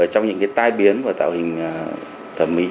trong những tai biến và tạo hình thẩm mỹ